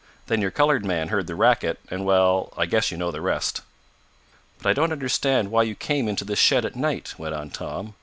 Then your colored man heard the racket, and well, I guess you know the rest." "But I don't understand why you came into this shed at night," went on Tom.